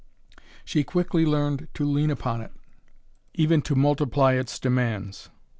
She quickly learned to lean upon it, even to multiply its demands.